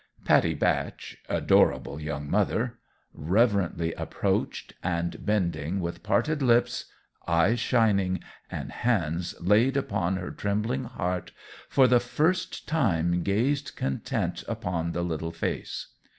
Pattie Batch adorable, young mother! reverently approached, and, bending with parted lips, eyes shining, and hands laid upon her trembling heart, for the first time gazed content upon the little face.